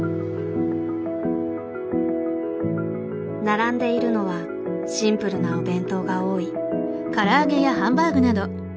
並んでいるのはシンプルなお弁当が多い。